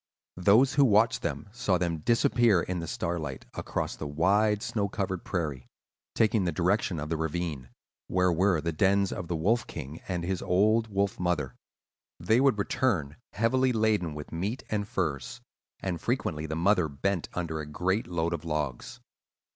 Those who watched them saw them disappear in the starlight, across the wide, snow covered prairie, taking the direction of the ravine, where were the dens of the Wolf King and his old wolf mother. They would return heavily laden with meat and furs; and frequently the mother bent under a great load of logs.